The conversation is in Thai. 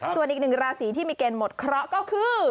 ส่วนอีกหนึ่งราศีที่มีเกณฑ์หมดเคราะห์ก็คือ